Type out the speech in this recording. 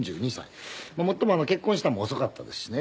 もっとも結婚したのも遅かったですしね。